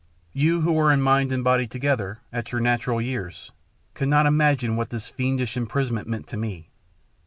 You who are mind and body together, at your natural years, cannot imagine what this fiendish imprison ment meant to me.